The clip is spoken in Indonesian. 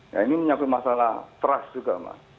ya ini menyebut masalah teras juga mas